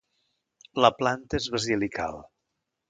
La planta és basilical.